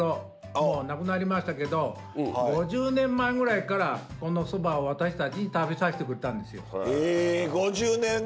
もう亡くなりましたけど５０年前ぐらいからこのそばを私たちに食べさせてくれたんですよ。へ５０年ぐらい前から。